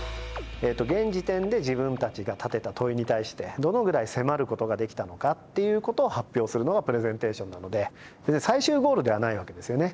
現時点で自分たちが立てた問いに対してどのぐらい迫ることができたのかっていうことを発表するのがプレゼンテーションなので最終ゴールではないわけですよね。